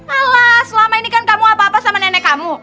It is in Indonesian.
ala selama ini kan kamu apa apa sama nenek kamu